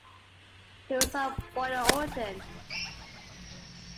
He was of boyar origin.